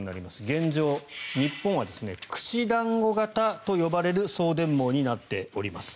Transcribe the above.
現状、日本は串団子型と呼ばれる送電網になっております。